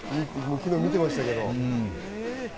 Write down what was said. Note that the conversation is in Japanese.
昨日、見てましたけど。